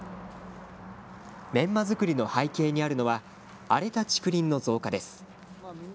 メンマ作りの背景にあるのは荒れた竹林の増加です。